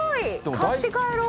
買って帰ろう。